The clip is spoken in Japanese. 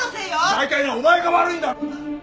大体なお前が悪いんだろ！